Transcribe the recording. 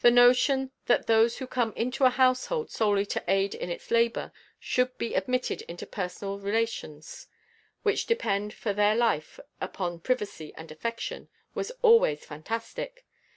The notion that those who come into a household solely to aid in its labor should be admitted into personal relations which depend for their life upon privacy and affection, was always fantastic.